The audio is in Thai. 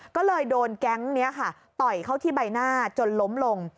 ก็เลยโดนแก๊งนี้ค่ะต่อยเข้าที่ใบหน้าจนล้มลง